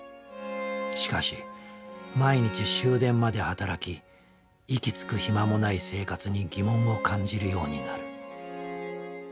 しかし毎日終電まで働き息つく暇もない生活に疑問を感じるようになる。